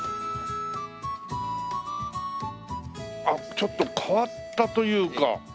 あっちょっと変わったというか。